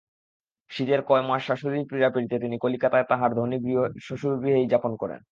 শীতের কয় মাস শাশুড়ির পীড়াপীড়িতে তিনি কলিকাতায় তাঁহার ধনী শ্বশুরগৃহেই যাপন করেন।